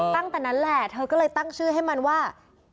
ตั้งแต่นั้นแหละเธอก็เลยตั้งชื่อให้มันว่า